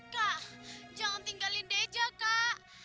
kak jangan tinggalkan dija kak